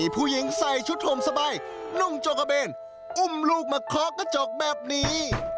ผู้หญิงใส่ชุดห่มสบายนุ่งโจกระเบนอุ้มลูกมาเคาะกระจกแบบนี้